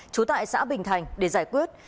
chú tại xã bình thành để giải quyết